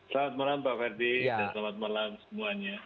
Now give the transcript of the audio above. selamat malam pak ferdi dan selamat malam semuanya